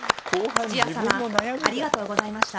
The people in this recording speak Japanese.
土屋様ありがとうございました。